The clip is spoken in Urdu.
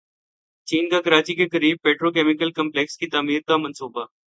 چین کا کراچی کے قریب پیٹرو کیمیکل کمپلیکس کی تعمیر کا منصوبہ